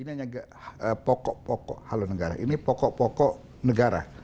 ini hanya pokok pokok halunegara ini pokok pokok negara